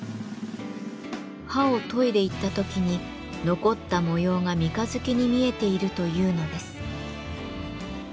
刃を研いでいったときに残った模様が三日月に見えているというのです。